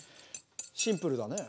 シンプルだね。